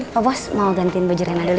bu bos mau gantiin baju rena dulu ya